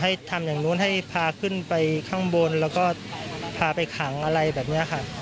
ทำอย่างนู้นให้พาขึ้นไปข้างบนแล้วก็พาไปขังอะไรแบบนี้ค่ะ